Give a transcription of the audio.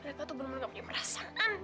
mereka tuh belum belum gak punya merasaan